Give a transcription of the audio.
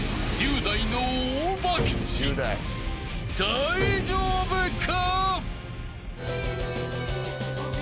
［大丈夫か？］